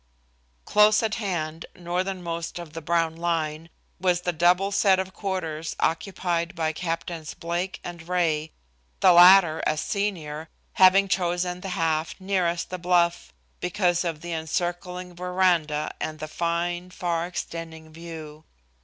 Close at hand, northernmost of the brown line, was the double set of quarters occupied by Captains Blake and Ray, the latter, as senior, having chosen the half nearest the bluff because of the encircling veranda and the fine, far extending view.